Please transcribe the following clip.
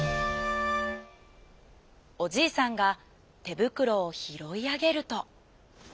おじいさんがてぶくろをひろいあげると。